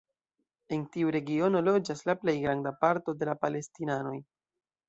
En tiu regiono loĝas la plej granda parto de la palestinanoj.